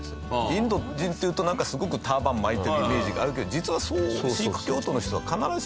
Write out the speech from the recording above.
インド人っていうとなんかすごくターバン巻いてるイメージがあるけど実はそうシーク教徒の人は必ずしも。